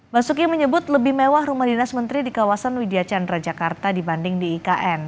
basuki menyebut lebih mewah rumah dinas menteri di kawasan widya chandra jakarta dibanding di ikn